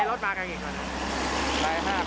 ในรถมากันอย่างไรครับ